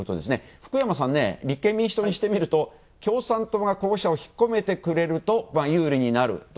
福山さん、立憲民主党にしてみると共産党が候補者を引っ込めてくれると有利になると。